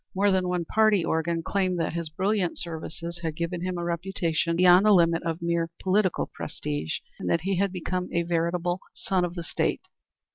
More than one party organ claimed that his brilliant services had given him a reputation beyond the limit of mere political prestige, and that he had become a veritable favorite son of the State.